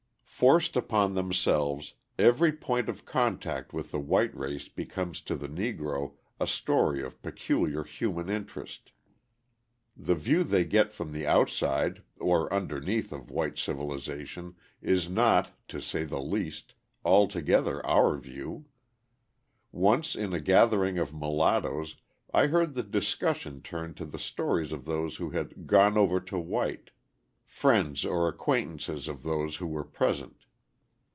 Forced upon themselves, every point of contact with the white race becomes to the Negro a story of peculiar human interest. The view they get from the outside or underneath of white civilisation is not, to say the least, altogether our view. Once, in a gathering of mulattoes I heard the discussion turn to the stories of those who had "gone over to white" friends or acquaintances of those who were present.